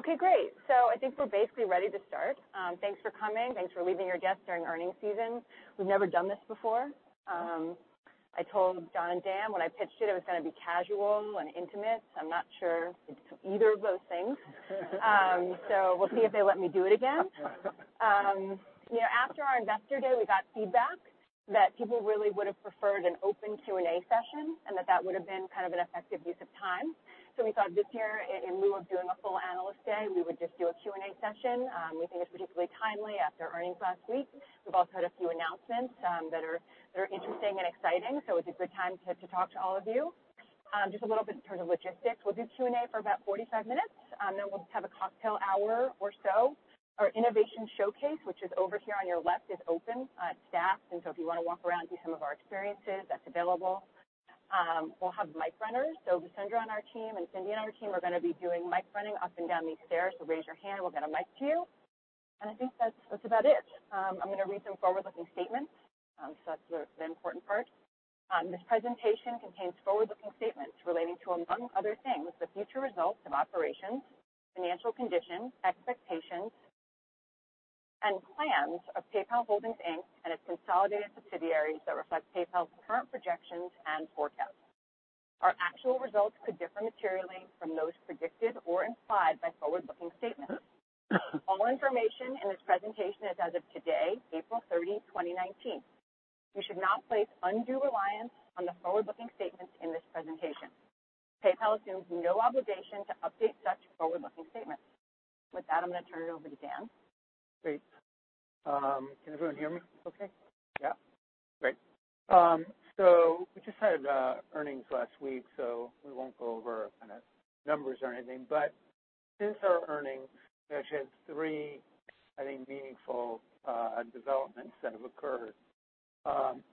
Okay, great. I think we're basically ready to start. Thanks for coming. Thanks for leaving your desk during earnings season. We've never done this before. I told John and Dan when I pitched it was going to be casual and intimate. I'm not sure it's either of those things. We'll see if they let me do it again. After our investor day, we got feedback that people really would have preferred an open Q&A session, and that would have been an effective use of time. We thought this year, in lieu of doing a full analyst day, we would just do a Q&A session. We think it's particularly timely after earnings last week. We've also had a few announcements that are interesting and exciting. It's a good time to talk to all of you. Just a little bit in terms of logistics, we'll do Q&A for about 45 minutes. Then we'll just have a cocktail hour or so. Our innovation showcase, which is over here on your left, is open. It's staffed. If you want to walk around and do some of our experiences, that's available. We'll have mic runners. Lucinda on our team and Cindy on our team are going to be doing mic running up and down these stairs. Raise your hand, we'll get a mic to you. I think that's about it. I'm going to read some forward-looking statements. That's the important part. This presentation contains forward-looking statements relating to, among other things, the future results of operations, financial conditions, expectations, and plans of PayPal Holdings, Inc. and its consolidated subsidiaries that reflect PayPal's current projections and forecasts. Our actual results could differ materially from those predicted or implied by forward-looking statements. All information in this presentation is as of today, April 30, 2019. You should not place undue reliance on the forward-looking statements in this presentation. PayPal assumes no obligation to update such forward-looking statements. With that, I'm going to turn it over to Dan. Great. Can everyone hear me okay? Yeah. Great. We just had earnings last week. We won't go over numbers or anything. Since our earnings, we actually had three, I think, meaningful developments that have occurred,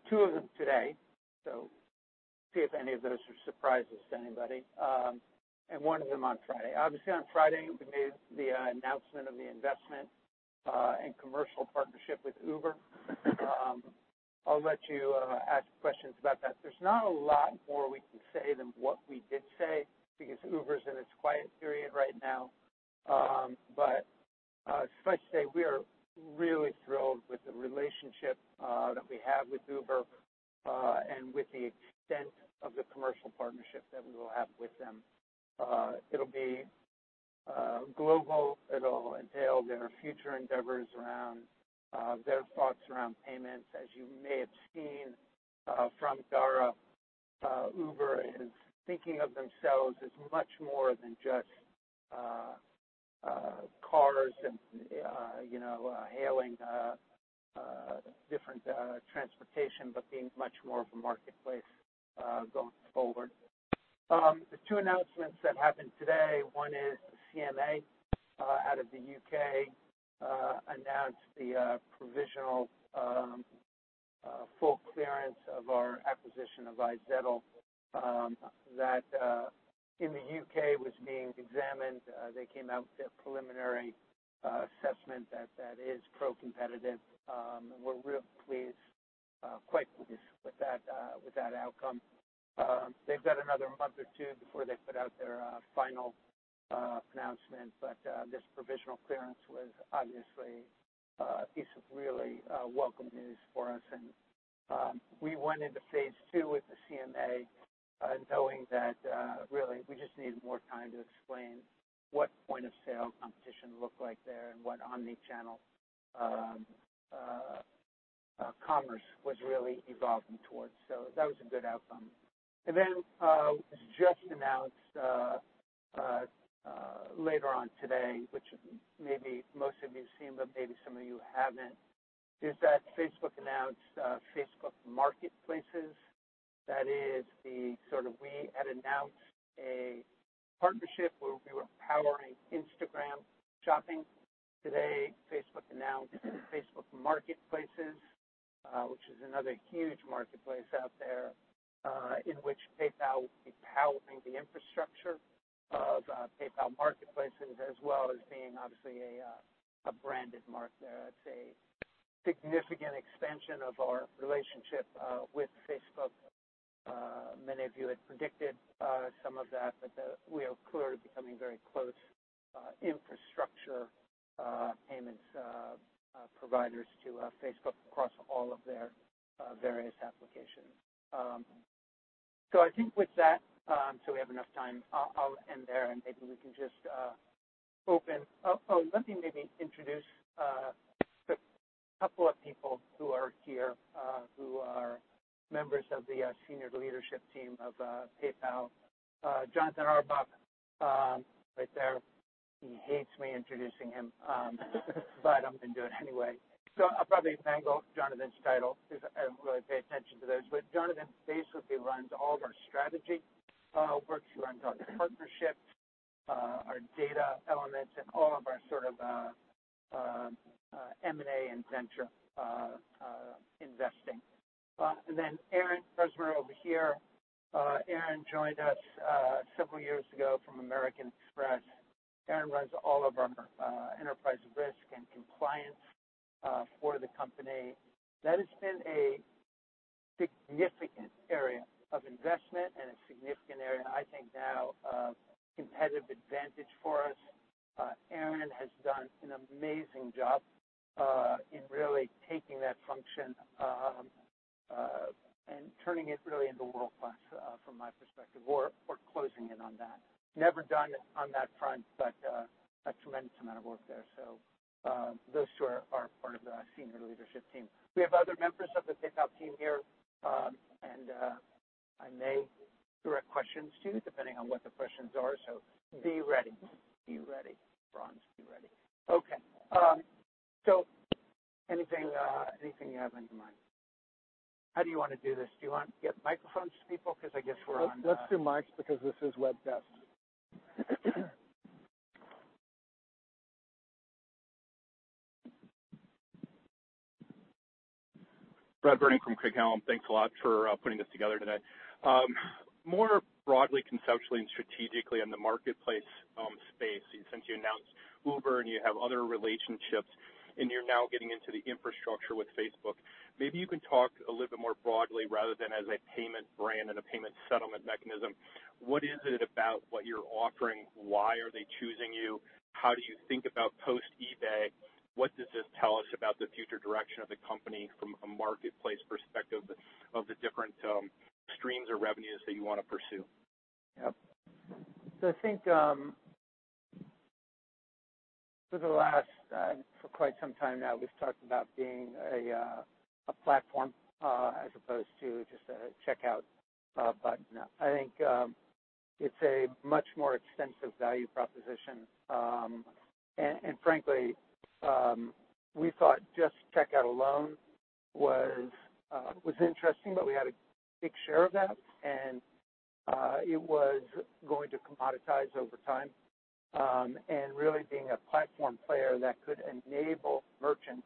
two of them today. See if any of those are surprises to anybody, and one of them on Friday. Obviously, on Friday, we made the announcement of the investment and commercial partnership with Uber. I'll let you ask questions about that. There's not a lot more we can say than what we did say because Uber's in its quiet period right now. Suffice to say, we are really thrilled with the relationship that we have with Uber, and with the extent of the commercial partnership that we will have with them. It'll be global. It'll entail their future endeavors around their thoughts around payments. As you may have seen from Dara, Uber is thinking of themselves as much more than just cars and hailing different transportation, but being much more of a marketplace going forward. The two announcements that happened today, one is the CMA out of the U.K. announced the provisional full clearance of our acquisition of iZettle that in the U.K. was being examined. They came out with their preliminary assessment that is pro-competitive. We're real pleased, quite pleased with that outcome. They've got another month or two before they put out their final announcement, but this provisional clearance was obviously a piece of really welcome news for us. We went into phase 2 with the CMA knowing that really we just need more time to explain what point-of-sale competition looked like there and what omni-channel commerce was really evolving towards. That was a good outcome. Just announced later on today, which maybe most of you seen, but maybe some of you haven't, is that Facebook announced Facebook Marketplaces. That is the sort of we had announced a partnership where we were powering Instagram Shopping. Today, Facebook announced Facebook Marketplaces, which is another huge marketplace out there, in which PayPal will be powering the infrastructure of PayPal marketplaces, as well as being obviously a branded mark there. It's a significant expansion of our relationship with Facebook. Many of you had predicted some of that, but we are clearly becoming very close infrastructure payments providers to Facebook across all of their various applications. I think with that, we have enough time, I'll end there. Maybe we can just open. Oh, let me maybe introduce a couple of people who are here who are members of the senior leadership team of PayPal. Jonathan Auerbach right there. He hates me introducing him. I'm going to do it anyway. I'll probably mangle Jonathan's title because I don't really pay attention to those. Jonathan basically runs all of our strategy works. He runs our partnerships, our data elements, and all of our sort of M&A and venture investing. Aaron Webster over here. Aaron joined us several years ago from American Express. Aaron runs all of our enterprise risk and compliance for the company. That has been a. Significant area of investment and a significant area, I think now, of competitive advantage for us. Aaron has done an amazing job in really taking that function and turning it really into world-class from my perspective, or closing in on that. Never done on that front, but a tremendous amount of work there. Those two are part of the senior leadership team. We have other members of the PayPal team here, and I may direct questions to you depending on what the questions are. Be ready. Be ready. Franz, be ready. Okay. Anything you have in mind? How do you want to do this? Do you want to get microphones to people? Because I guess we're on- Let's do mics because this is webcast. Brad Berning from Craig-Hallum. Thanks a lot for putting this together today. More broadly, conceptually, and strategically in the marketplace space, since you announced Uber and you have other relationships, and you're now getting into the infrastructure with Facebook, maybe you can talk a little bit more broadly rather than as a payment brand and a payment settlement mechanism. What is it about what you're offering? Why are they choosing you? How do you think about post-eBay? What does this tell us about the future direction of the company from a marketplace perspective of the different streams or revenues that you want to pursue? Yep. I think for quite some time now, we've talked about being a platform as opposed to just a checkout button. I think it's a much more extensive value proposition. Frankly, we thought just checkout alone was interesting, but we had a big share of that, and it was going to commoditize over time. Really being a platform player that could enable merchants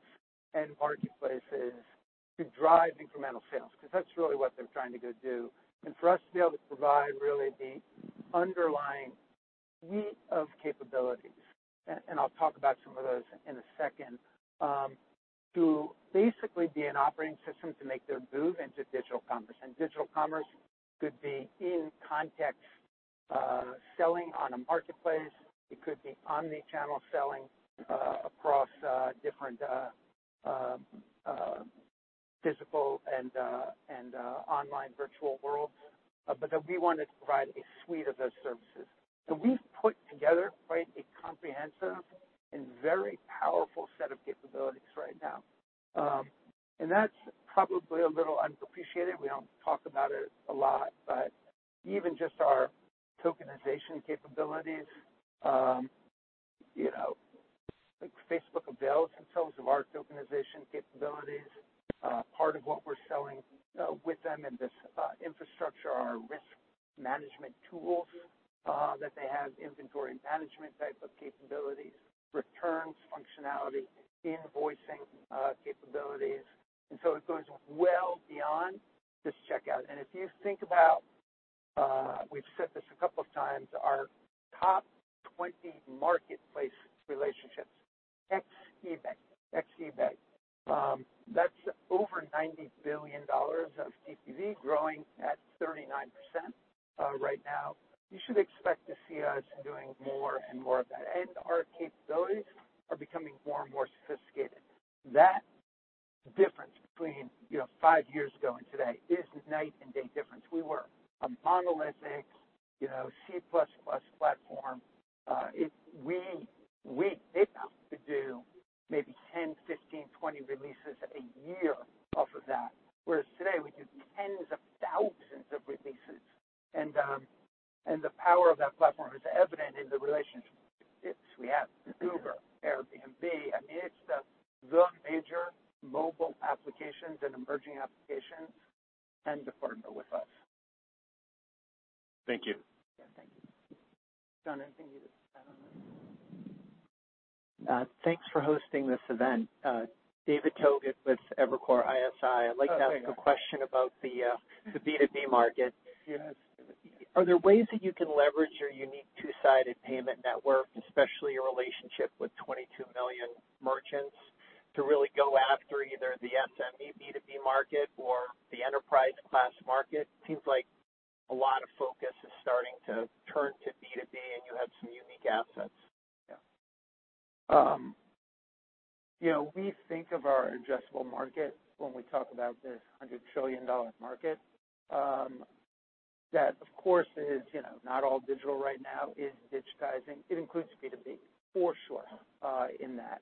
and marketplaces to drive incremental sales, because that's really what they're trying to go do. For us to be able to provide really the underlying suite of capabilities, and I'll talk about some of those in a second, to basically be an operating system to make their move into digital commerce. Digital commerce could be in-context selling on a marketplace. It could be omni-channel selling across different physical and online virtual worlds. That we wanted to provide a suite of those services. We've put together quite a comprehensive and very powerful set of capabilities right now. That's probably a little unappreciated. We don't talk about it a lot, but even just our tokenization capabilities. Facebook avails themselves of our tokenization capabilities. Part of what we're selling with them in this infrastructure are risk management tools that they have inventory management type of capabilities, returns functionality, invoicing capabilities. It goes well beyond just checkout. If you think about, we've said this a couple of times, our top 20 marketplace relationships, ex-eBay. That's over $90 billion of TPV growing at 39% right now. You should expect to see us doing more and more of that. Our capabilities are becoming more and more sophisticated. That difference between five years ago and today is night and day difference. We were a monolithic C++ platform. We at PayPal could do maybe 10, 15, 20 releases a year off of that. Whereas today, we do tens of thousands of releases. The power of that platform is evident in the relationships we have with Uber, Airbnb. I mean, it's the major mobile applications and emerging applications tend to partner with us. Thank you. Yeah. Thank you. John, anything you'd add on that? Thanks for hosting this event. David Togut with Evercore ISI. Oh, hey David. I'd like to ask a question about the B2B market. Yes. Are there ways that you can leverage your unique two-sided payment network, especially your relationship with 22 million merchants, to really go after either the SME B2B market or the enterprise class market? Seems like a lot of focus is starting to turn to B2B, and you have some unique assets. Yeah. We think of our addressable market when we talk about this $100 trillion market. That of course is not all digital right now. It's digitizing. It includes B2B for sure in that.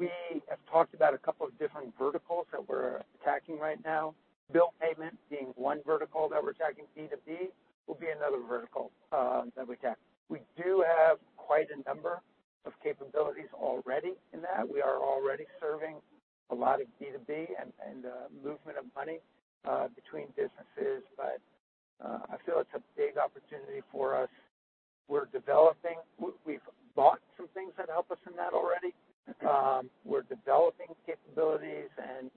We have talked about a couple of different verticals that we're attacking right now. Bill payment being one vertical that we're attacking. B2B will be another vertical that we attack. We do have quite a number of capabilities already in that. We are already serving a lot of B2B and movement of money between businesses. I feel it's a big opportunity for us. We've bought some things that help us in that already. We're developing capabilities and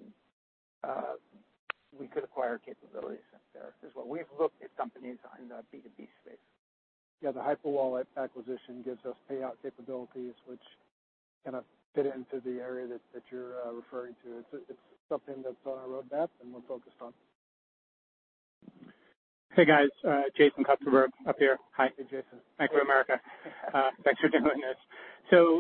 we could acquire capabilities there as well. We've looked at companies in the B2B space. Yeah, the Hyperwallet acquisition gives us payout capabilities which kind of fit into the area that you're referring to. It's something that's on our roadmap, and we're focused on. Hey, guys. Jason Kupferberg up here. Hi. Hey, Jason. Bank of America. Thanks for doing this.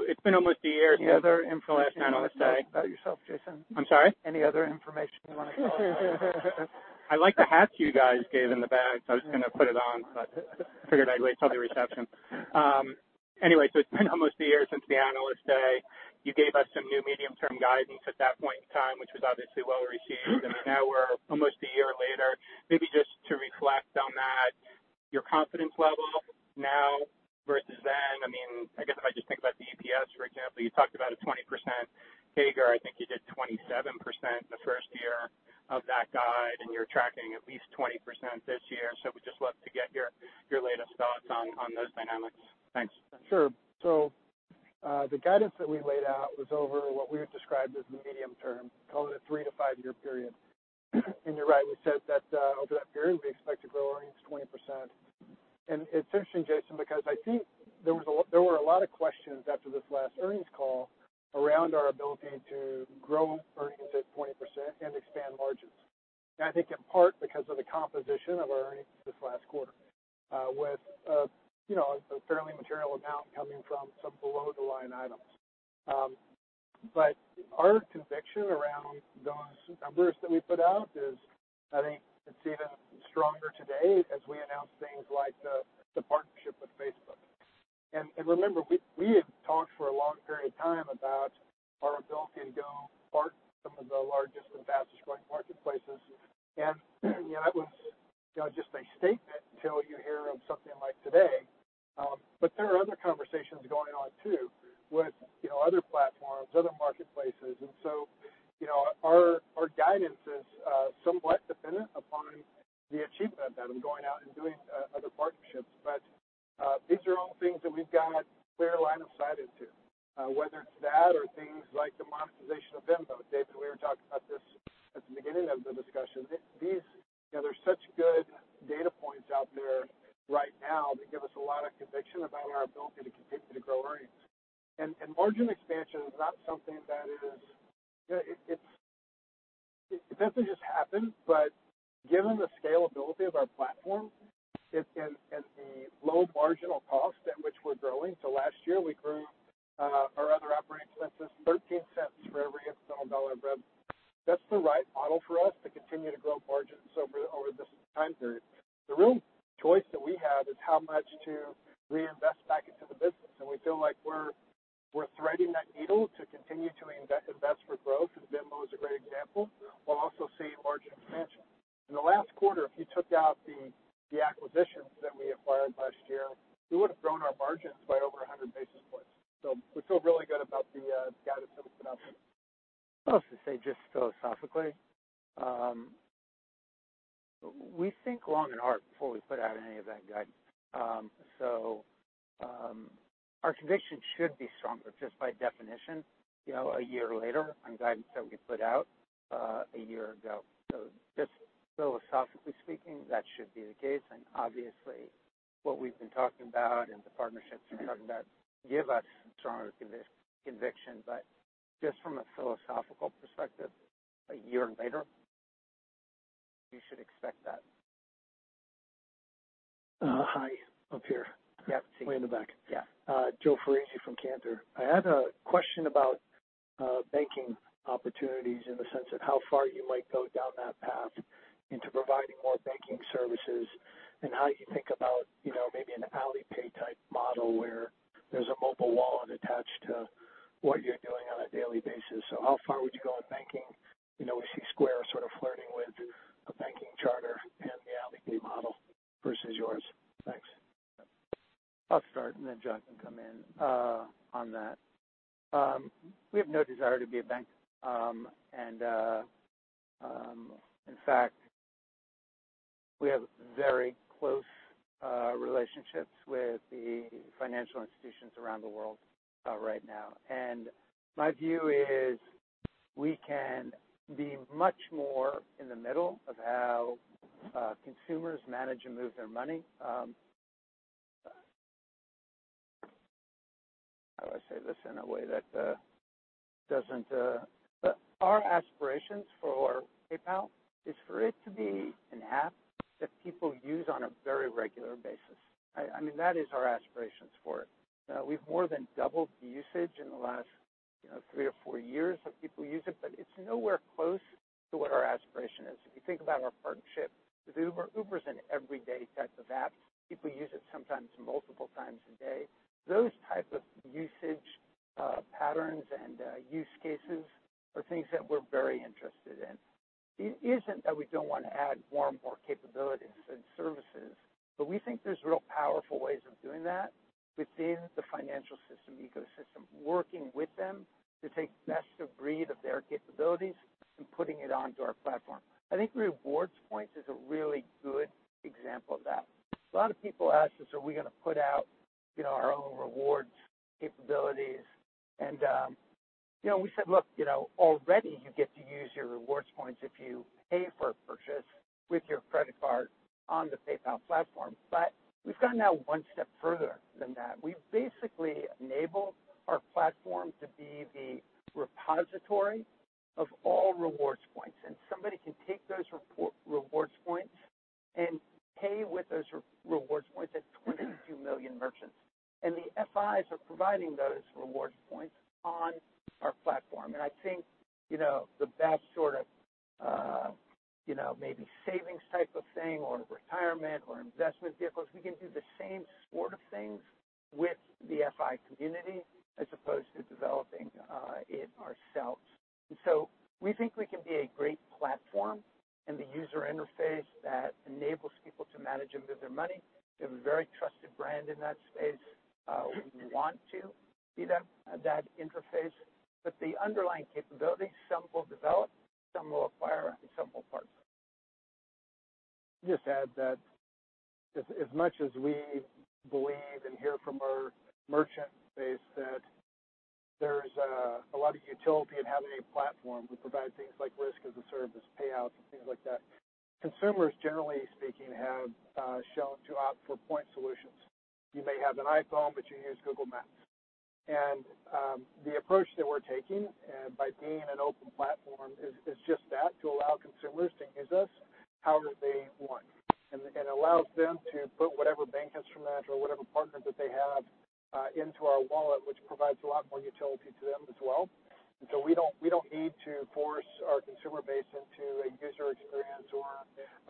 It's been almost a year since- Any other information you want to tell us about yourself, Jason? I'm sorry? Any other information you want to tell us? I like the hats you guys gave in the bags. I was going to put it on, but figured I'd wait till the reception. It's been almost a year since the analyst day. You gave us some new medium-term guidance at that point in time, which was obviously well-received. Now we're almost a year later. Maybe just to reflect on that, your confidence level now versus then. I guess if I just think about the EPS, for example, you talked about a 20% CAGR. I think you did 27% the first year of that guide, and you're tracking at least 20% this year. Would just love to get your latest thoughts on those dynamics. Thanks. Sure. The guidance that we laid out was over what we had described as the medium term, call it a three- to five-year period. You're right, we said that over that period, we expect to grow earnings 20%. It's interesting, Jason, because I think there were a lot of questions after this last earnings call around our ability to grow earnings at 20% and expand margins. I think in part because of the composition of our earnings this last quarter with a fairly material amount coming from some below-the-line items. Our conviction around those numbers that we put out is, I think it's even stronger today as we announce things like the partnership with Facebook. Remember, we had talked for a long period of time about our ability to go partner some of the largest and fastest-growing marketplaces. That was just a statement until you hear of something like today. There are other conversations going on too, with other platforms, other marketplaces. Our guidance is somewhat dependent upon the achievement of them going out and doing other partnerships. These are all things that we've got clear line of sight into whether it's that or things like the monetization of Venmo. David, we were talking about this at the beginning of the discussion. There's such good data points out there right now that give us a lot of conviction about our ability to continue to grow earnings. Margin expansion is not something that is. It doesn't just happen, but given the scalability of our platform and the low marginal cost at which we're growing, last year we grew our other operating expenses $0.13 for every incremental dollar of rev. That's the right model for us to continue to grow margins over this time period. The real choice that we have is how much to reinvest back into the business, we feel like we're threading that needle to continue to We've more than doubled the usage in the last three to four years of people use it, but it's nowhere close to what our aspiration is. If you think about our partnership with Uber's an everyday type of app. People use it sometimes multiple times a day. Those type of usage patterns and use cases are things that we're very interested in. It isn't that we don't want to add more and more capabilities and services, but we think there's real powerful ways of doing that within the financial system ecosystem, working with them to take best-of-breed of their capabilities and putting it onto our platform. I think rewards points is a really good example of that. A lot of people ask us, are we going to put out our own rewards capabilities. We said, "Look, already you get to use your rewards points if you pay for a purchase with your credit card on the PayPal platform." We've gone now one step further than that. We've basically enabled our platform to be the repository of all rewards points, and somebody can take those rewards points and pay with those rewards points at 22 million merchants. The FIs are providing those rewards points on our platform. I think the best sort of maybe savings type of thing or retirement or investment vehicles, we can do the same sort of things with the FI community as opposed to developing it ourselves. We think we can be a great platform in the user interface that enables people to manage and move their money. We have a very trusted brand in that space. We want to be that interface. The underlying capabilities, some we'll develop, some we'll acquire, and some we'll partner. Just add that as much as we believe and hear from our merchant base that there's a lot of utility in having a platform that provides things like risk as a service, payouts, and things like that. Consumers, generally speaking, have shown to opt for point solutions. You may have an iPhone, but you use Google Maps. The approach that we're taking by being an open platform is just that, to allow consumers to use us however they want. It allows them to put whatever bank instrument or whatever partner that they have into our wallet, which provides a lot more utility to them as well. We don't need to force our consumer base into a user experience or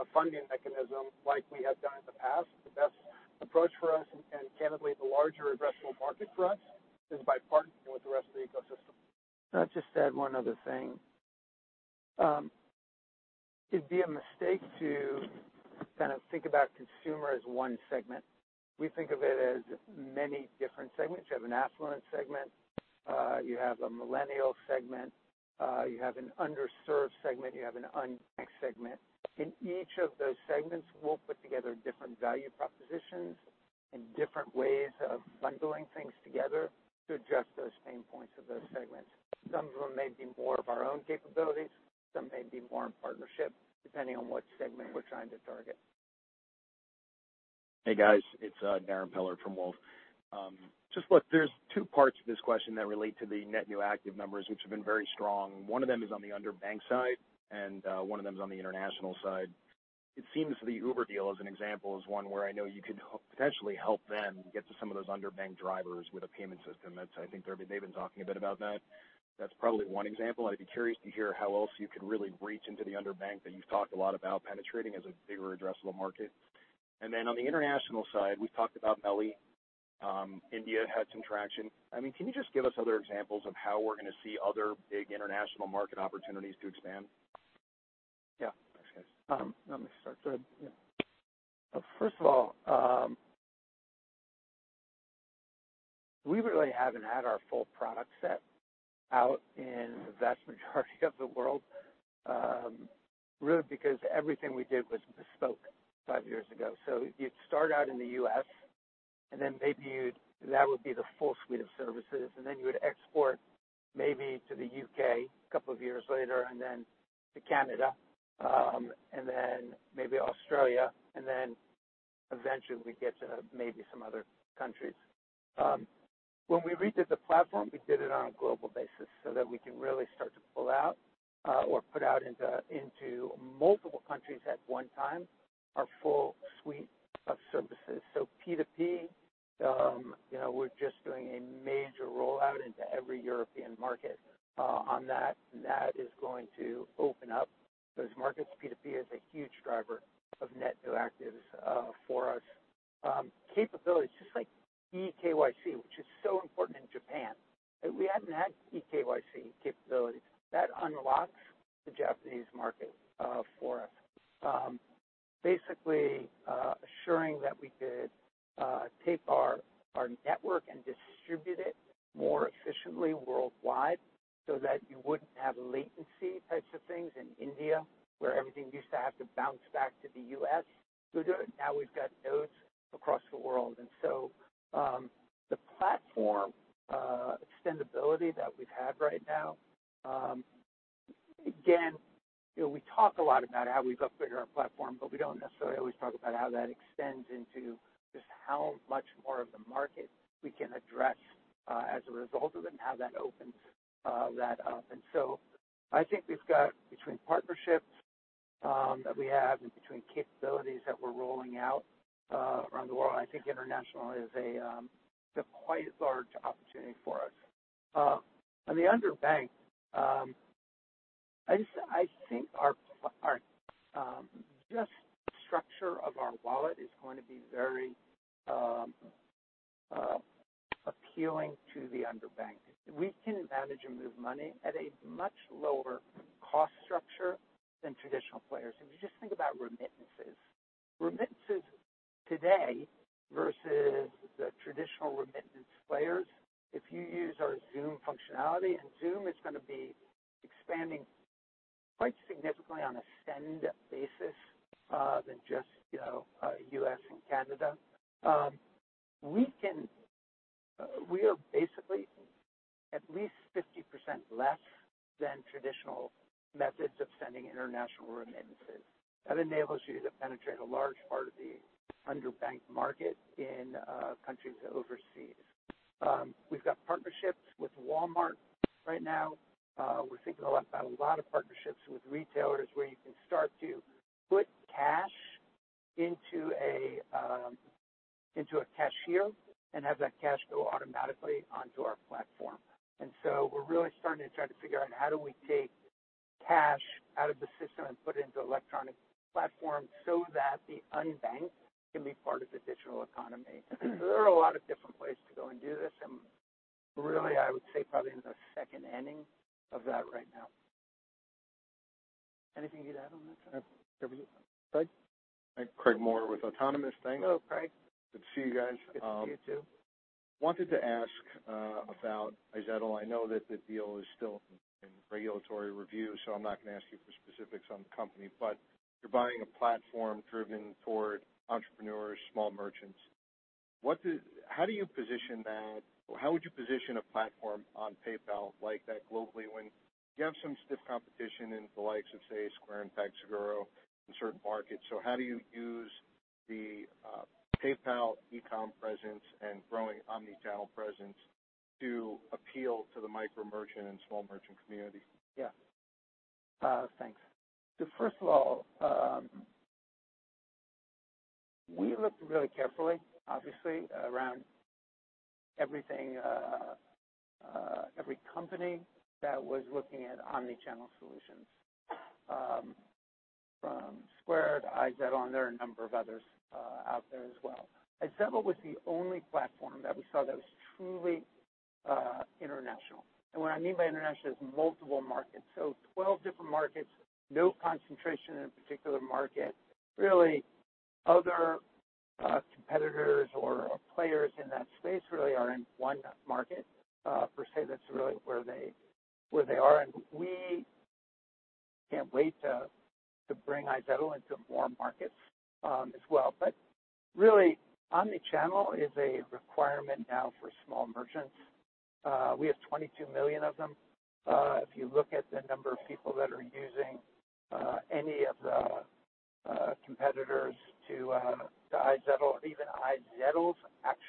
a funding mechanism like we have done in the past. The best approach for us, and candidly, the larger addressable market for us, is by partnering with the rest of the ecosystem. I'll just add one other thing. It'd be a mistake to kind of think about consumer as one segment. We think of it as many different segments. You have an affluent segment, you have a millennial segment, you have an underserved segment, you have an unbanked segment. In each of those segments, we'll put together different value propositions and different ways of bundling things together to address those pain points of those segments. Some of them may be more of our own capabilities, some may be more in partnership, depending on what segment we're trying to target. Hey, guys. It's Darrin Peller from Wolfe. Look, there's two parts to this question that relate to the net new active members, which have been very strong. One of them is on the underbanked side and one of them is on the international side. It seems the Uber deal, as an example, is one where I know you could potentially help them get to some of those underbanked drivers with a payment system. I think they've been talking a bit about that. That's probably one example. I'd be curious to hear how else you could really reach into the underbanked that you've talked a lot about penetrating as a bigger addressable market. On the international side, we've talked about MELI. India had some traction. Can you just give us other examples of how we're going to see other big international market opportunities to expand? Yeah. Thanks, guys. Let me start. Go ahead. Yeah. First of all, we really haven't had our full product set out in the vast majority of the world really because everything we did was bespoke five years ago. You'd start out in the U.S., then maybe that would be the full suite of services. Then you would export maybe to the U.K. a couple of years later, then to Canada, then maybe Australia, then eventually we'd get to maybe some other countries. When we redid the platform, we did it on a global basis so that we can really start to pull out or put out into multiple countries at one time our full suite of services. P2P, we're just doing a major rollout into every European market on that. That is going to open up those markets. P2P is a huge driver of net new actives for us. Capabilities just like eKYC, which is so important in Japan. We hadn't had eKYC capabilities. That unlocks the Japanese market for us. Basically assuring that we could take our network and distribute it more efficiently worldwide so that you wouldn't have latency types of things in India where everything used to have to bounce back to the U.S. Now we've got nodes across the world. The platform extendability that we've had right now again, we talk a lot about how we've upgraded our platform, but we don't necessarily always talk about how that extends into just how much more of the market we can address as a result of it and how that opens that up. I think we've got between partnerships that we have and between capabilities that we're rolling out around the world, I think international is quite a large opportunity for us. On the underbanked, I think just the structure of our wallet is going to be very appealing to the underbanked. We can manage and move money at a much lower cost structure than traditional players. If you just think about remittances. Remittances today versus the traditional remittance players. If you use our Xoom functionality, and Xoom is going to be expanding quite significantly on a send basis than just U.S. and Canada. We are basically at least 50% less than traditional methods of sending international remittances. That enables you to penetrate a large part of the underbanked market in countries overseas. We've got partnerships with Walmart right now. We're thinking about a lot of partnerships with retailers where you can start to put cash into a cashier and have that cash go automatically onto our platform. We're really starting to try to figure out how do we take cash out of the system and put it into electronic platforms so that the unbanked can be part of the digital economy. There are a lot of different ways to go and do this, and really, I would say probably in the second inning of that right now. Anything you'd add on that, Scott? Craig Maurer with Autonomous. Thanks. Hello, Craig. Good to see you guys. Good to see you, too. Wanted to ask about iZettle. I know that the deal is still in regulatory review, so I'm not going to ask you for specifics on the company, but you're buying a platform driven toward entrepreneurs, small merchants. How would you position a platform on PayPal like that globally when you have some stiff competition in the likes of, say, Square and PagSeguro in certain markets. How do you use the PayPal e-com presence and growing omnichannel presence to appeal to the micro merchant and small merchant community? First of all, we looked really carefully, obviously, around every company that was looking at omnichannel solutions. From Square to iZettle, and there are a number of others out there as well. iZettle was the only platform that we saw that was truly international. What I mean by international is multiple markets. 12 different markets, no concentration in a particular market. Really, other competitors or players in that space really are in one market, per se. That's really where they are, and we can't wait to bring iZettle into more markets as well. Really, omnichannel is a requirement now for small merchants. We have 22 million of them. If you look at the number of people that are using any of the competitors to iZettle or even iZettle's actual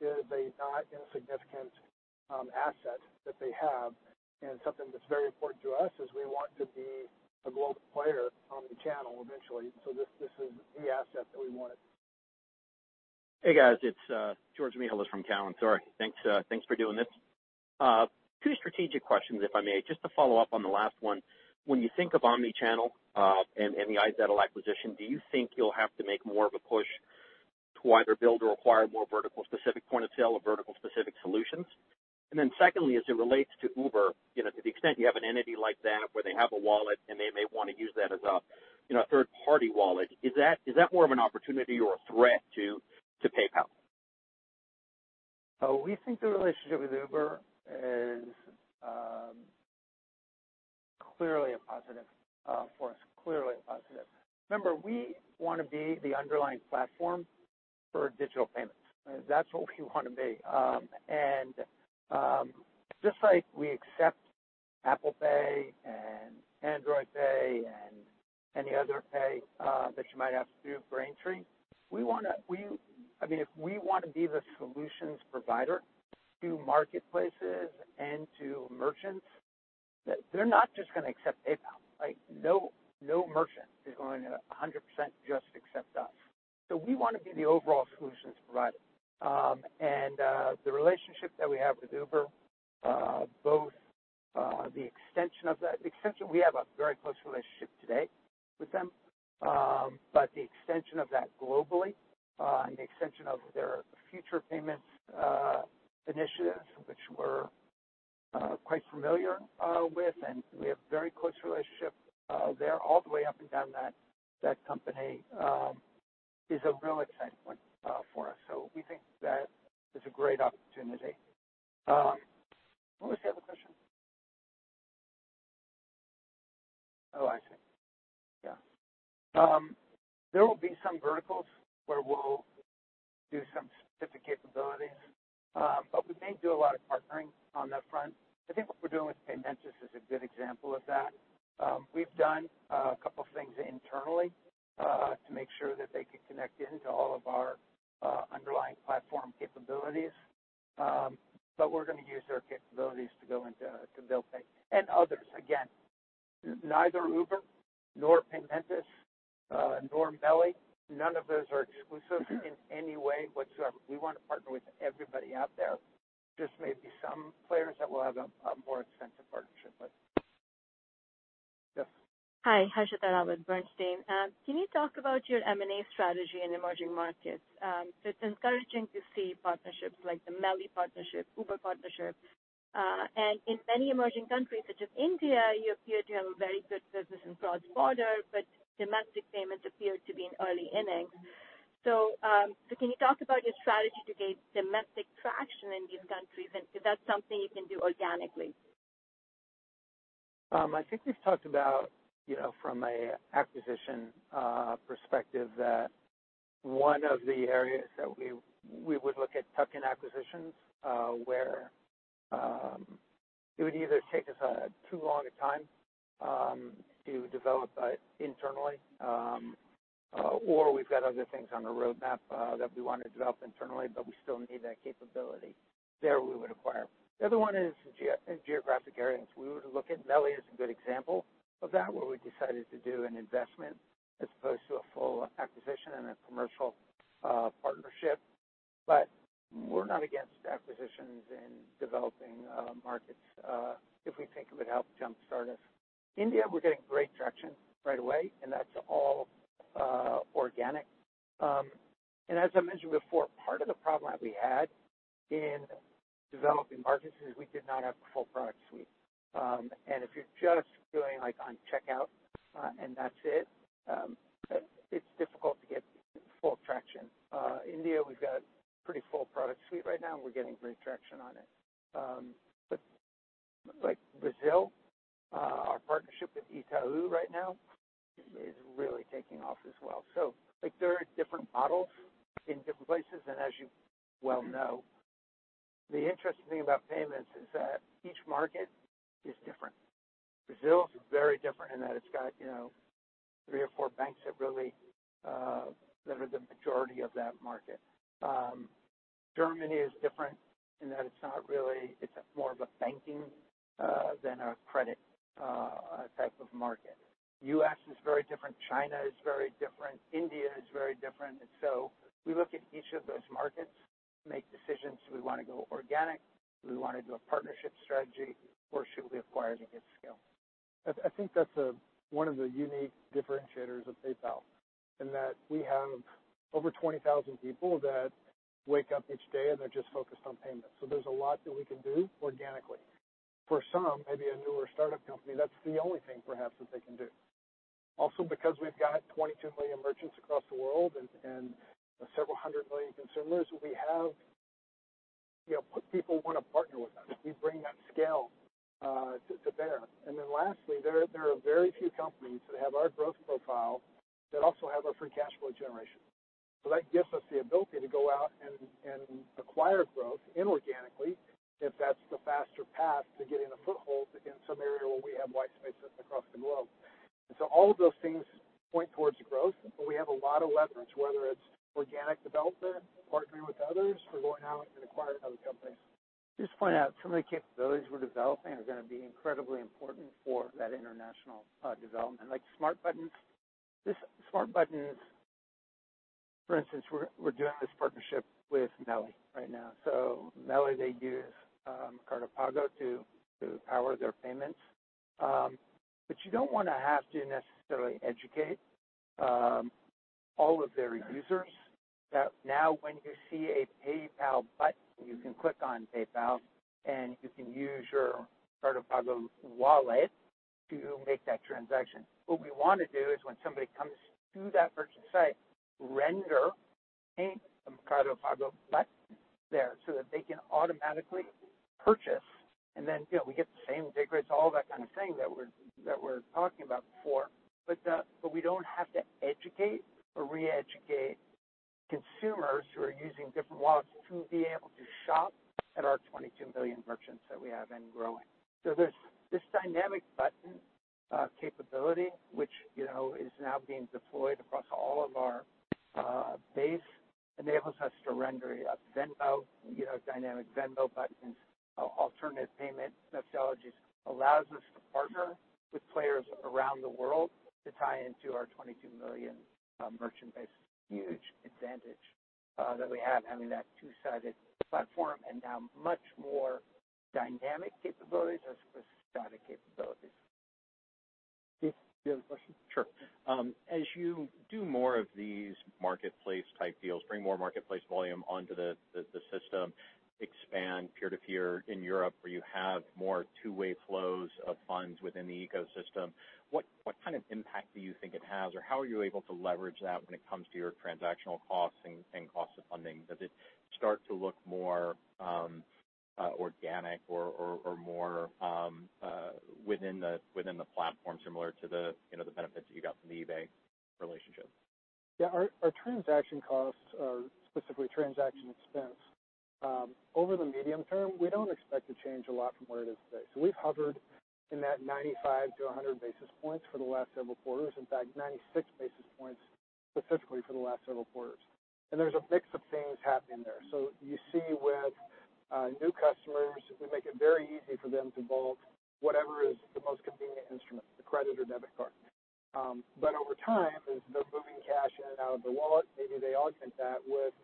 is a not insignificant asset that they have and something that's very important to us as we want to be a global player omnichannel eventually. This is the asset that we wanted. Hey guys, it's Georgios Mihalos from Cowen. Sorry. Thanks for doing this. Two strategic questions, if I may, just to follow up on the last one. When you think of omnichannel and the iZettle acquisition, do you think you'll have to make more of a push to either build or acquire more vertical-specific point-of-sale or vertical-specific solutions? Secondly, as it relates to Uber, to the extent you have an entity like that where they have a wallet and they may want to use that as a third-party wallet, is that more of an opportunity or a threat to PayPal? We think the relationship with Uber is clearly a positive for us. Clearly a positive. Remember, we want to be the underlying platform for digital payments. That's what we want to be. Just like we accept Apple Pay and Google Pay and any other pay that you might have through Braintree, if we want to be the solutions provider to marketplaces and to merchants, they're not just going to accept PayPal. No merchant is going to 100% just accept us. We want to be the overall solutions provider. The relationship that we have with Uber both the extension of that. We have a very close relationship today with them, the extension of that globally, the extension of their future payments initiatives, which we're quite familiar with, we have very close relationship there all the way up and down that company, is a real excitement for us. We think that it's a great opportunity. What was the other question? Oh, I see. Yeah. There will be some verticals where we'll do some specific capabilities, we may do a lot of partnering on that front. I think what we're doing with Paymentech is a good example of that. We've done a couple of things internally to make sure that they can connect into all of our underlying platform capabilities, we're going to use their capabilities to go into bill pay and others. Again, neither Uber nor Paymentech, nor MercadoLibre, none of those are exclusive in any way whatsoever. We want to partner with everybody out there, just maybe some players that will have a more extensive partnership with. Yes. Hi. Harshita Rawat, Bernstein. Can you talk about your M&A strategy in emerging markets? It's encouraging to see partnerships like the MercadoLibre partnership, Uber partnership. In many emerging countries, such as India, you appear to have a very good business in cross-border, but domestic payments appear to be in early innings. Can you talk about your strategy to gain domestic traction in these countries? Is that something you can do organically? I think we've talked about from an acquisition perspective, that one of the areas that we would look at tuck-in acquisitions where it would either take us too long a time to develop internally or we've got other things on the roadmap that we want to develop internally, but we still need that capability. There, we would acquire. The other one is geographic areas we would look at. MercadoLibre is a good example of that, where we decided to do an investment as opposed to a full acquisition and a commercial partnership. We're not against acquisitions in developing markets if we think it would help jumpstart us. India, we're getting great traction right away, and that's all organic. As I mentioned before, part of the problem that we had in developing markets is we did not have a full product suite. If you're just doing on checkout and that's it's difficult to get full traction. India, we've got pretty full product suite right now. We're getting great traction on it. Like Brazil, our partnership with Itaú right now is really taking off as well. There are different models in different places, and as you well know, the interesting thing about payments is that each market is different. Brazil is very different in that it's got three or four banks that are the majority of that market. Germany is different in that it's more of a banking than a credit type of market. U.S. is very different. China is very different. India is very different. We look at each of those markets to make decisions. Do we want to go organic? Do we want to do a partnership strategy, or should we acquire to get scale? I think that's one of the unique differentiators of PayPal in that we have over 20,000 people that wake up each day, and they're just focused on payments. There's a lot that we can do organically. For some, maybe a newer startup company, that's the only thing perhaps that they can do. Because we've got 22 million merchants across the world and several hundred million consumers, people want to partner with us. We bring that scale to bear. Lastly, there are very few companies that have our growth profile that also have our free cash flow generation. That gives us the ability to go out and acquire growth inorganically if that's the faster path to getting a foothold in some area where we have white spaces across the globe. All of those things point towards growth, we have a lot of leverage, whether it's organic development, partnering with others or going out and acquiring other companies. Just to point out, some of the capabilities we're developing are going to be incredibly important for that international development, like Smart Payment Buttons. This Smart Payment Button is, for instance, we're doing this partnership with Meli right now. Meli, they use Mercado Pago to power their payments. You don't want to have to necessarily educate all of their users that now when you see a PayPal button, you can click on PayPal, and you can use your Mercado Pago wallet to make that transaction. We want to do is when somebody comes to that merchant site, render a Mercado Pago button there so that they can automatically purchase, and then we get the same take rates, all that kind of thing that we were talking about before. We don't have to educate or re-educate consumers who are using different wallets to be able to shop at our 22 million merchants that we have and growing. This dynamic button capability, which is now being deployed across all of our base. Enables us to render a Venmo, dynamic Venmo buttons, alternative payment methodologies. Allows us to partner with players around the world to tie into our 22 million merchant base. Huge advantage that we have having that two-sided platform and now much more dynamic capabilities as opposed to static capabilities. Keith, do you have a question? Sure. As you do more of these marketplace-type deals, bring more marketplace volume onto the system, expand peer-to-peer in Europe where you have more two-way flows of funds within the ecosystem, what kind of impact do you think it has or how are you able to leverage that when it comes to your transactional costs and cost of funding? Does it start to look more organic or more within the platform similar to the benefits that you got from the eBay relationship? Yeah. Our transaction costs are specifically transaction expense. Over the medium term, we don't expect to change a lot from where it is today. We've hovered in that 95 to 100 basis points for the last several quarters. In fact, 96 basis points specifically for the last several quarters. There's a mix of things happening there. You see with new customers, we make it very easy for them to bulk whatever is the most convenient instrument, the credit or debit card. Over time, as they're moving cash in and out of the wallet, maybe they augment that with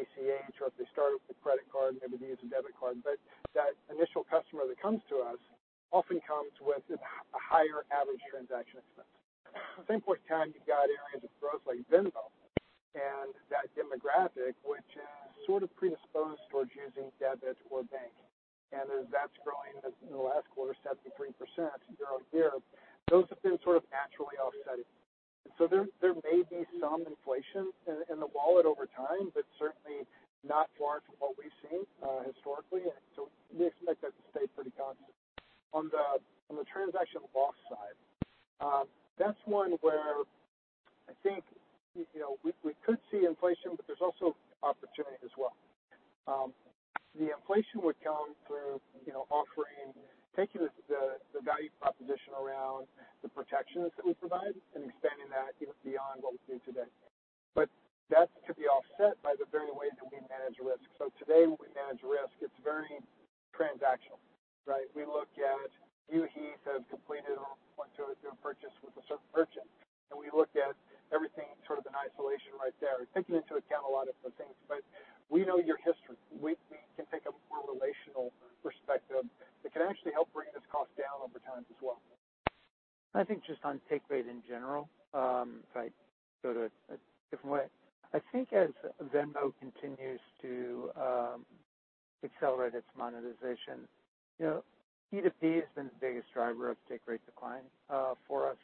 ACH or if they start with a credit card, maybe they use a debit card. That initial customer that comes to us often comes with a higher average transaction expense. At the same point in time, you've got areas of growth like Venmo and that demographic, which is sort of predisposed towards using debit or bank. As that's growing in the last quarter, 73% year-on-year, those have been sort of naturally offsetting. There may be some inflation in the wallet over time, but certainly not far from what we've seen historically. We expect that to stay pretty constant. On the transaction loss side, that's one where I think we could see inflation, but there's also opportunity as well. The inflation would come through offering, taking the value proposition around the protections that we provide and expanding that even beyond what we see today. That could be offset by the very way that we manage risk. Today, when we manage risk, it's very transactional, right? We look at you, Keith, have completed or went through a purchase with a certain merchant. We look at everything sort of in isolation right there, taking into account a lot of the things. We know your history. We can take a more relational perspective that can actually help bring this cost down over time as well. I think just on take rate in general, if I go to a different way. I think as Venmo continues to accelerate its monetization, P2P has been the biggest driver of take rate decline for us.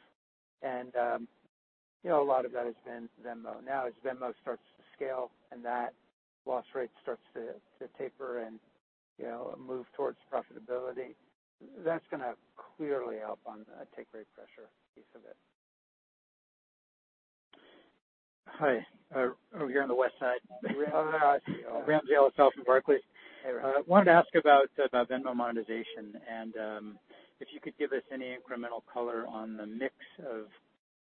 A lot of that has been Venmo. Now as Venmo starts to scale and that loss rate starts to taper and move towards profitability, that's going to clearly help on the take rate pressure piece of it. Hi. Over here on the west side. Oh, hi. Ramsey El-Assal from Barclays. Hey, Ramsey. I wanted to ask about Venmo monetization and if you could give us any incremental color on the mix of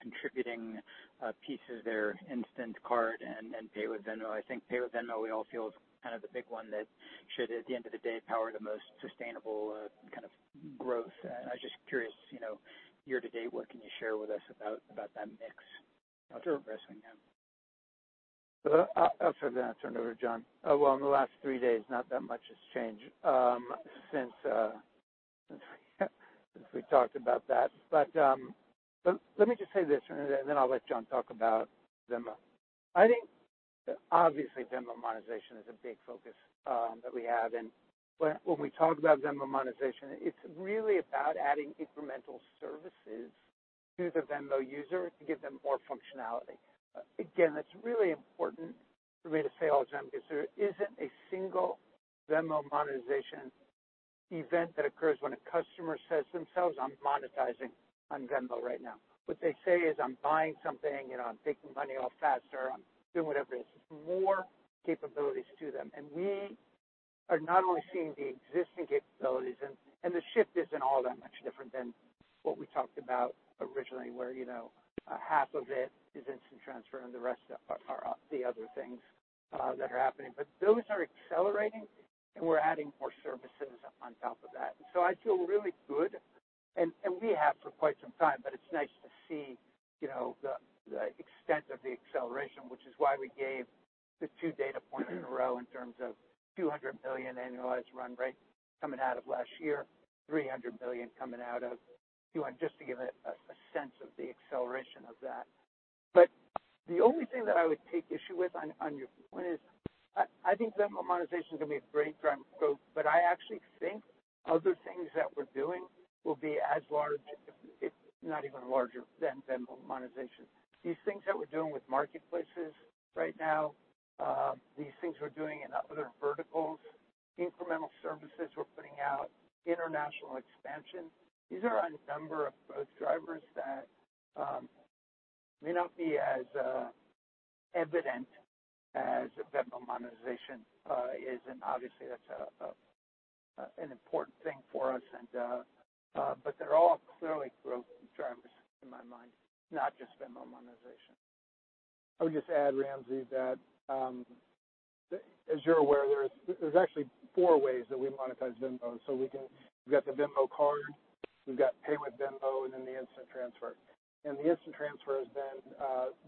contributing pieces there, instant card and Pay with Venmo. I think Pay with Venmo we all feel is kind of the big one that should, at the end of the day, power the most sustainable kind of growth. I was just curious, year to date, what can you share with us about that mix? Sure How it's progressing now? I'll try to then turn it over to John. Well, in the last three days, not that much has changed since we talked about that. Let me just say this, then I'll let John talk about Venmo. I think obviously Venmo monetization is a big focus that we have. When we talk about Venmo monetization, it's really about adding incremental services to the Venmo user to give them more functionality. Again, it's really important for me to say all the time because there isn't a single Venmo monetization event that occurs when a customer says themselves, "I'm monetizing on Venmo right now." What they say is, "I'm buying something," "I'm taking money off faster," "I'm doing whatever it is." It's more capabilities to them. We are not only seeing the existing capabilities and the shift isn't all that much different than what we talked about originally where half of it is instant transfer and the rest are the other things that are happening. Those are accelerating and we're adding more services on top of that. I feel really good and we have for quite some time, but it's nice to see the extent of the acceleration, which is why we gave the two data points in a row in terms of $200 million annualized run rate coming out of last year, $300 million coming out of Q1 just to give a sense of the acceleration of that. The only thing that I would take issue with on your point is I think Venmo monetization is going to be a great driver of growth, but I actually think other things that we're doing will be as large if not even larger than Venmo monetization. These things that we're doing with marketplaces right now, these things we're doing in other verticals, incremental services we're putting out, international expansion. These are a number of growth drivers that may not be as evident as Venmo monetization is and obviously that's an important thing for us, but they're all clearly growth drivers in my mind, not just Venmo monetization. I would just add, Ramsey, that as you're aware, there's actually four ways that we monetize Venmo. We've got the Venmo card, we've got Pay with Venmo, and then the instant transfer. The instant transfer has been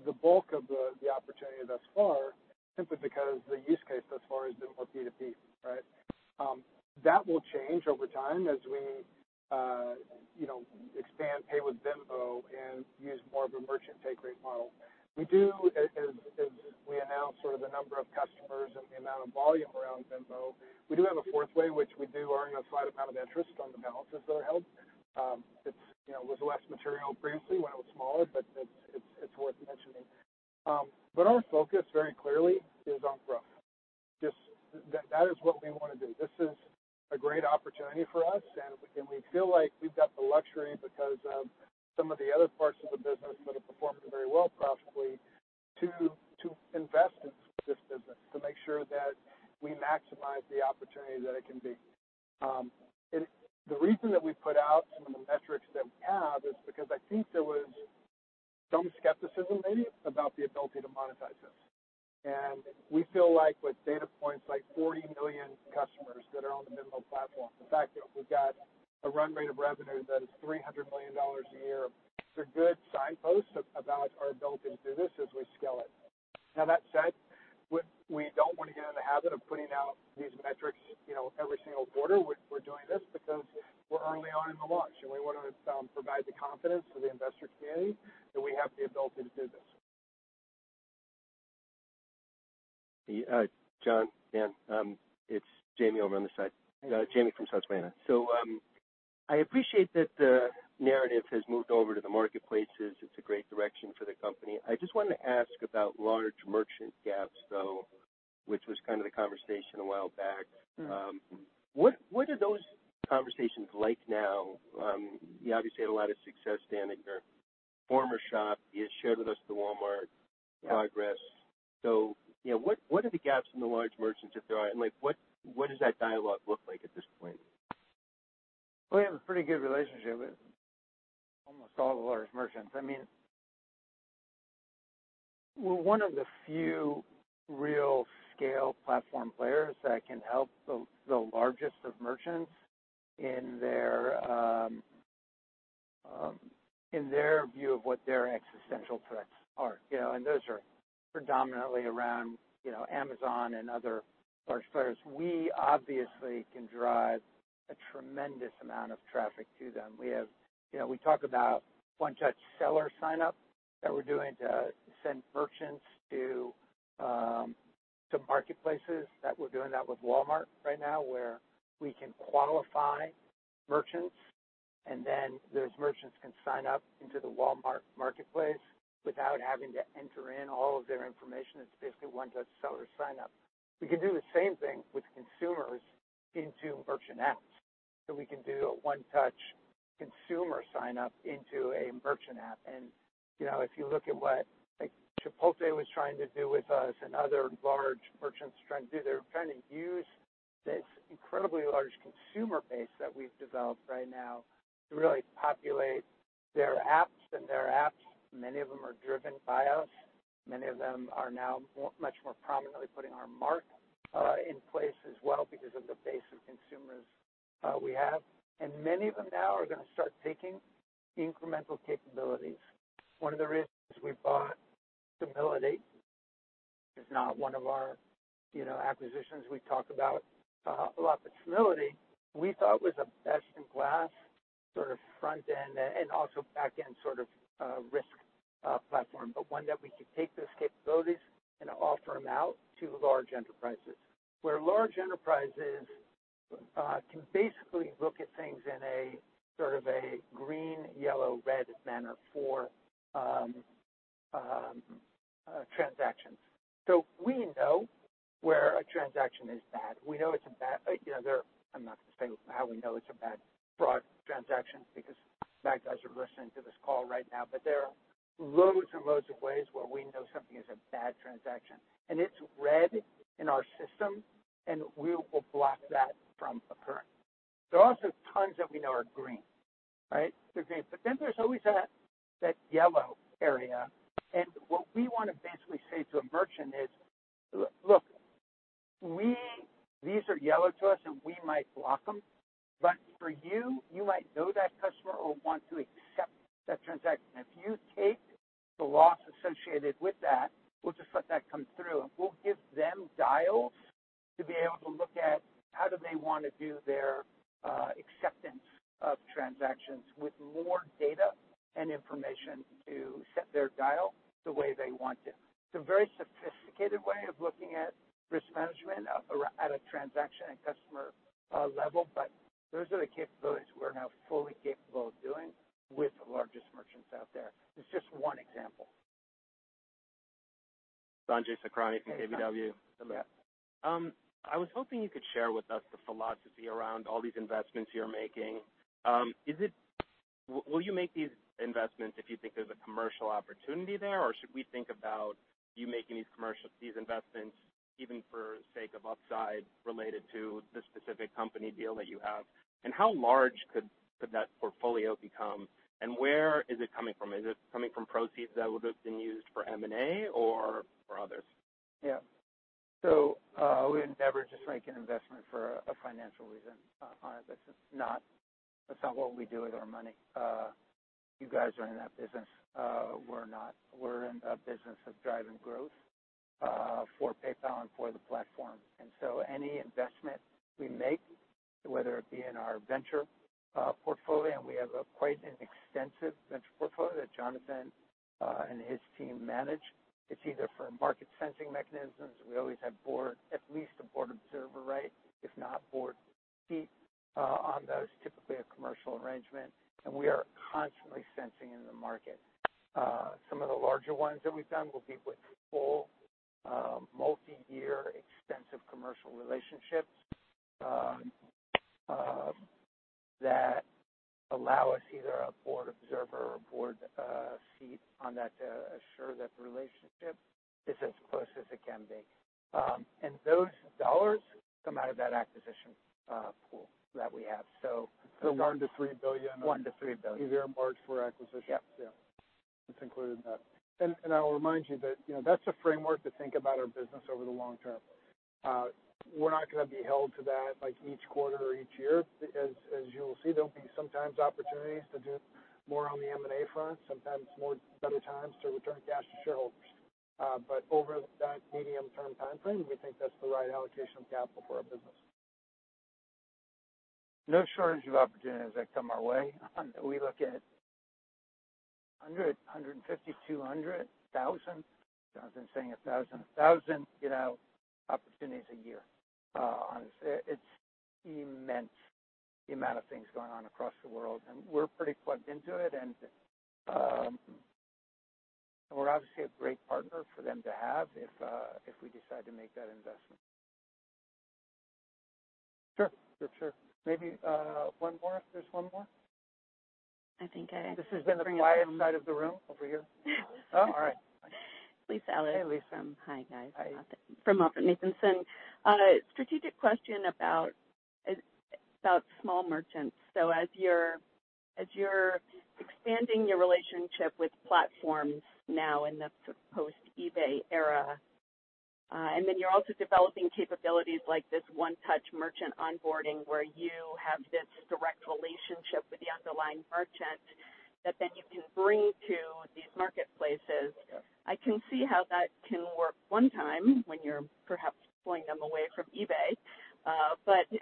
the bulk of the opportunity thus far, simply because the use case thus far has been for P2P. That will change over time as we expand Pay with Venmo and use more of a merchant take rate model. We do, as we announce sort of the number of customers and the amount of volume around Venmo, we do have a fourth way, which we do earn a slight amount of interest on the balances that are held. It was less material previously when it was smaller, but it's worth mentioning. Our focus very clearly is on growth. That is what we want to do. This is a great opportunity for us, we feel like we've got the luxury because of some of the other parts of the business that have performed very well profitably to invest in this business to make sure that we maximize the opportunity that it can be. The reason that we put out some of the metrics that we have is because I think there was some skepticism maybe about the ability to monetize this. We feel like with data points like 40 million customers that are on the Venmo platform, the fact that we've got a run rate of revenue that is $300 million a year, they're good signposts about our ability to do this as we scale it. That said, we don't want to get in the habit of putting out these metrics every single quarter. We're doing this because we're early on in the launch, and we want to provide the confidence to the investor community that we have the ability to do this. John, Dan, it's Jamie over on this side. Jamie from Susquehanna. I appreciate that the narrative has moved over to the marketplaces. It's a great direction for the company. I just wanted to ask about large merchant gaps, though, which was kind of the conversation a while back. What are those conversations like now? You obviously had a lot of success, Dan, at your former shop. You shared with us the Walmart progress. What are the gaps in the large merchants that there are, and what does that dialogue look like at this point? We have a pretty good relationship with almost all the large merchants. We're one of the few real scale platform players that can help the largest of merchants in their view of what their existential threats are. Those are predominantly around Amazon and other large players. We obviously can drive a tremendous amount of traffic to them. We talk about one-touch seller sign up that we're doing to send merchants to marketplaces. We're doing that with Walmart right now, where we can qualify merchants, and then those merchants can sign up into the Walmart marketplace without having to enter in all of their information. It's basically one-touch seller sign up. We can do the same thing with consumers into merchant apps. We can do a one-touch consumer sign up into a merchant app. If you look at what Chipotle was trying to do with us and other large merchants trying to do, they're trying to use this incredibly large consumer base that we've developed right now to really populate their apps. Their apps, many of them are driven by us. Many of them are now much more prominently putting our mark in place as well because of the base of consumers we have. Many of them now are going to start taking incremental capabilities. One of the reasons we bought Simility. It's not one of our acquisitions we talk about a lot, but Simility we thought was a best-in-class sort of front-end and also back-end sort of risk platform. One that we could take those capabilities and offer them out to large enterprises. Where large enterprises can basically look at things in a sort of a green, yellow, red manner for transactions. We know where a transaction is bad. I'm not going to say how we know it's a bad fraud transaction because the bad guys are listening to this call right now. There are loads and loads of ways where we know something is a bad transaction. It's red in our system, and we will block that from occurring. There are also tons that we know are green. They're green. There's always that yellow area. What we want to basically say to a merchant is, "Look, these are yellow to us, and we might block them. For you might know that customer or want to accept that transaction. If you take the loss associated with that, we'll just let that come through." We'll give them dials to be able to look at how do they want to do their acceptance of transactions with more data and information to set their dial the way they want it. It's a very sophisticated way of looking at risk management at a transaction and customer level, those are the capabilities we're now fully capable of doing with the largest merchants out there. It's just one example. Sanjay Sakhrani from KBW. Yeah. I was hoping you could share with us the philosophy around all these investments you're making. Will you make these investments if you think there's a commercial opportunity there? Should we think about you making these investments even for sake of upside related to the specific company deal that you have? How large could that portfolio become, and where is it coming from? Is it coming from proceeds that would've been used for M&A or for others? Yeah. We would never just make an investment for a financial reason on a business. That's not what we do with our money. You guys are in that business. We're not. We're in the business of driving growth for PayPal and for the platform. Any investment we make, whether it be in our venture portfolio, and we have quite an extensive venture portfolio that Jonathan and his team manage. It's either for market sensing mechanisms. We always have at least a board observer right, if not board seat on those, typically a commercial arrangement, and we are constantly sensing in the market. Some of the larger ones that we've done will be with full multi-year extensive commercial relationships that allow us either a board observer or board seat on that to assure that the relationship is as close as it can be. Those dollars come out of that acquisition pool that we have. The $1 billion to $3 billion. $1 billion to $3 billion. is earmarked for acquisitions. Yep. Yeah. That's included in that. I will remind you that that's a framework to think about our business over the long term. We're not going to be held to that by each quarter or each year. As you'll see, there'll be sometimes opportunities to do more on the M&A front, sometimes better times to return cash to shareholders. Over that medium-term timeframe, we think that's the right allocation of capital for our business. No shortage of opportunities that come our way. We look at 100, 150, 200,000. Jonathan's saying 1,000. 1,000 opportunities a year. Honestly, it's immense the amount of things going on across the world, and we're pretty plugged into it, and we're obviously a great partner for them to have if we decide to make that investment. Sure. Maybe one more, if there's one more. I think I- This has been the quiet side of the room over here. Oh, all right. Lisa Ellis. Hey, Lisa. Hi, guys. Hi. From Oppenheimer & Co. Strategic question about small merchants. As you're expanding your relationship with platforms now in the post-eBay era, and then you're also developing capabilities like this one-touch merchant onboarding where you have this direct relationship with the underlying merchant that then you can bring to these marketplaces. Yeah. I can see how that can work one time when you're perhaps pulling them away from eBay.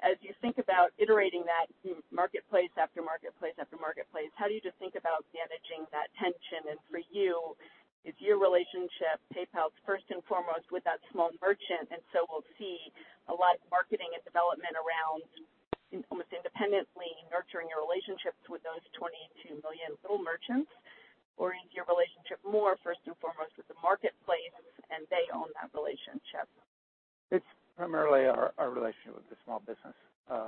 As you think about iterating that through marketplace after marketplace after marketplace, how do you just think about managing that tension? For you, is your relationship, PayPal's first and foremost with that small merchant, and so we'll see a lot of marketing and development around almost independently nurturing your relationships with those 22 million little merchants, or is your relationship more first and foremost with the marketplace, and they own that relationship? It's primarily our relationship with the small business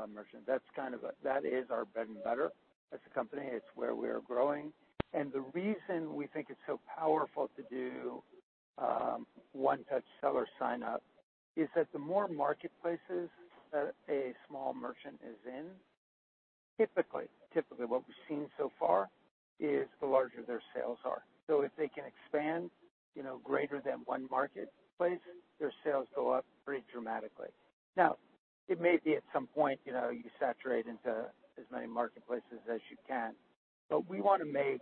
merchants. That is our bread and butter as a company. It's where we're growing. The reason we think it's so powerful to do one-touch seller sign-up is that the more marketplaces that a small merchant is in, typically what we've seen so far, is the larger their sales are. If they can expand greater than one marketplace, their sales go up pretty dramatically. Now, it may be at some point you saturate into as many marketplaces as you can. But we want to make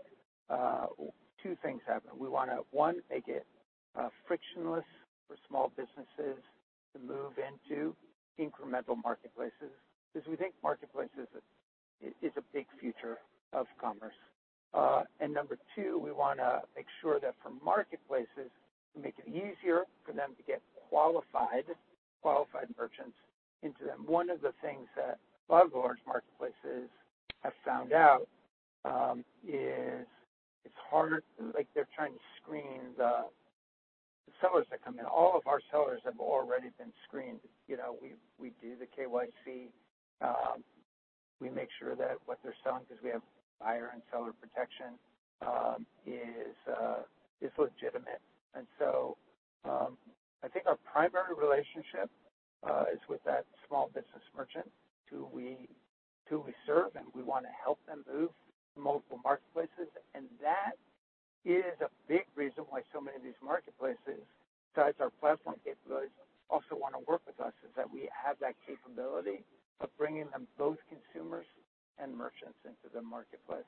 two things happen. We want to, one, make it frictionless for small businesses to move into incremental marketplaces because we think marketplaces is a big future of commerce. Number two, we want to make sure that for marketplaces, we make it easier for them to get qualified merchants into them. One of the things that a lot of large marketplaces have found out is it's hard. They're trying to screen the sellers that come in. All of our sellers have already been screened. We do the KYC. We make sure that what they're selling, because we have buyer and seller protection, is legitimate. I think our primary relationship is with that small business merchant who we serve, and we want to help them move to multiple marketplaces. That is a big reason why so many of these marketplaces, besides our platform capabilities, also want to work with us, is that we have that capability of bringing them both consumers and merchants into the marketplace.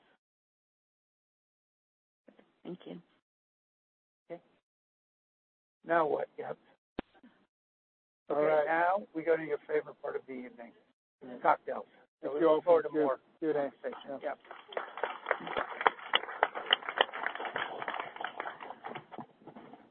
Thank you. Okay. Now what? Yep. All right. We go to your favorite part of the evening, cocktails. Let's go. Look forward to more. See you at next station. Yep.